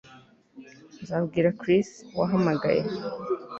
Nzabwira Chris wahamagaye